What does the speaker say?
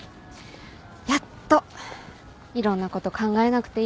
やっといろんなこと考えなくていいんだって。